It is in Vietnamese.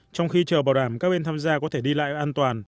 trong khi chờ bảo đảm các bên tham gia có thể đi lại an toàn